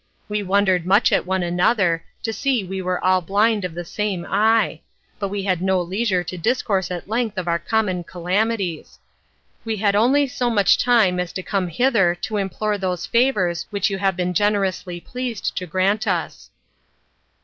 We wondered much at one another, to see we were all blind of the same eye, but we had no leisure to discourse at length of our common calamities. We had only so much time as to come hither to implore those favours which you have been generously pleased to grant us.